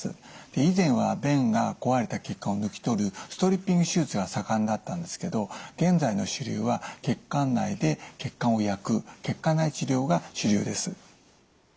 以前は弁が壊れた血管を抜き取るストリッピング手術が盛んだったんですけど現在の主流は血管内で血管を焼く血管内治療が主流です。